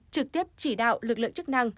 trực tiếp chỉ đạo lực lượng chức năng